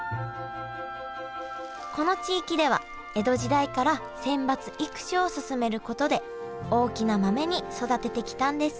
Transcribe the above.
この地域では江戸時代から選抜育種を進めることで大きな豆に育ててきたんです